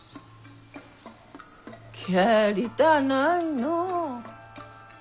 帰りたないのう。